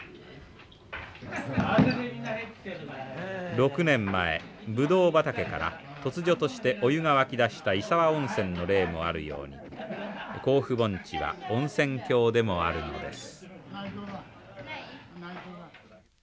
６年前ブドウ畑から突如としてお湯が湧きだした石和温泉の例もあるように甲府盆地は温泉郷でもあるのです。